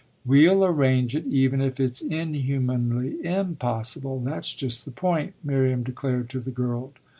"We'll arrange it even if it's inhumanly _im_possible that's just the point," Miriam declared to the girl.